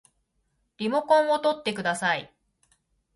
リモコンをとってください